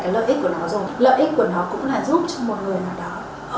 lợi ích của nó cũng là giúp cho một người nào đó